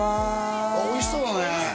おいしそうだね